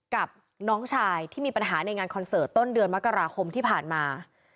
กับน้องชายที่มีปัญหาในงานคอนเสิร์ตต้นเดือนมกราคมที่ผ่านมา